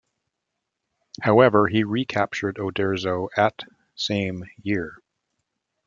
However, he recaptured Oderzo at same year.